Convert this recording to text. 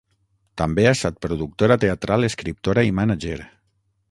També ha estat productora teatral, escriptora i mànager.